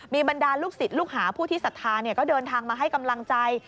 มีบรรดาลูกศิษย์ลูกหาผู้ที่ศรัทธาก็เดินทางมาให้กำลังใจ